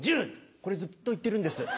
これずっと言ってるんです。